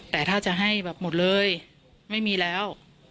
แต่ถ้าจะให้แบบหมดเลยไม่มีแล้ว